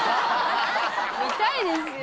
見たいですよ